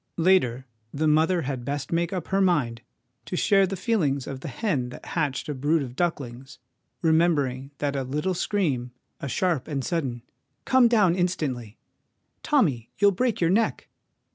Later, the mother had best make up her mind to share the feelings of the hen that hatched a brood of ducklings, remembering that a little scream, a sharp and sudden ' Come down instantly !'' Tommy, you'll break your neck!'